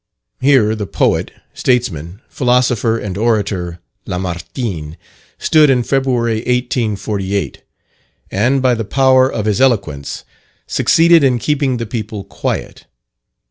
Here the poet, statesman, philosopher and orator, Lamartine, stood in February 1848, and, by the power of his eloquence, succeeded in keeping the people quiet.